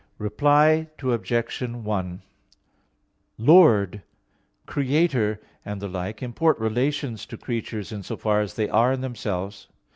Reply Obj. 1: "Lord", "Creator" and the like, import relations to creatures in so far as they are in themselves.